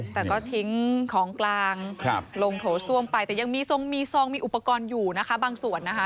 แต่ก็ทิ้งของกลางลงโถส้วมไปแต่ยังมีทรงมีซองมีอุปกรณ์อยู่นะคะบางส่วนนะคะ